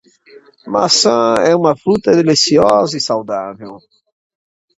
Maçã é uma fruta deliciosa e saudável.